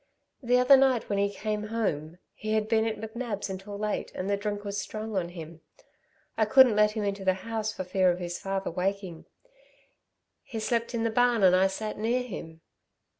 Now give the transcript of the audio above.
The other night when he came home he had been at McNab's until late and the drink was strong on him I couldn't let him into the house for fear of his father waking. He slept in the barn and I sat near him